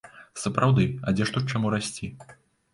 Сапраўды, а дзе ж тут чаму расці?